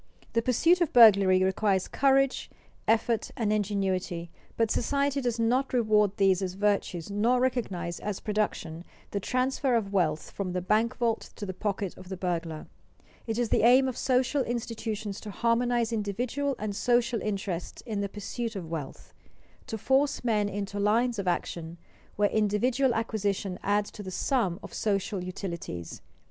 The pursuit of burglary requires courage, effort, and ingenuity, but society does not reward these as virtues nor recognize as production the transfer of wealth from the bank vault to the pocket of the burglar. It is the aim of social institutions to harmonize individual and social interests in the pursuit of wealth, to force men into lines of action where individual acquisition adds to the sum of social utilities.